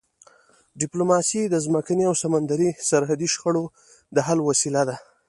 ډیپلوماسي د ځمکني او سمندري سرحدي شخړو د حل وسیله ده.